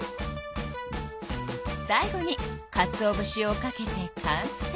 最後にかつおぶしをかけて完成。